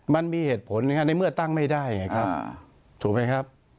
มันมีเหตุผลนะครับในเมื่อตั้งไม่ได้ไงครับถูกไหมครับ